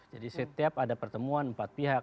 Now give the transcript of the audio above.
jadi setiap ada pertemuan empat pihak